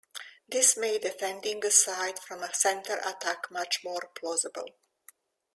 This made defending a side from a center attack much more plausible.